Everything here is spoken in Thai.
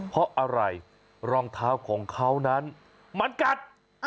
เพราะอะไรรองเท้าของเขานั้นมันกัด